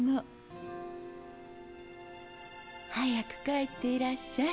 早く帰っていらっしゃい。